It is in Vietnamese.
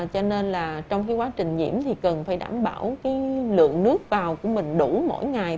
cho nên là trong cái quá trình nhiễm thì cần phải đảm bảo cái lượng nước vào của mình đủ mỗi ngày